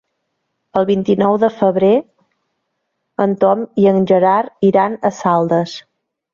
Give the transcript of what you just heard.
El vint-i-nou de febrer en Tom i en Gerard iran a Saldes.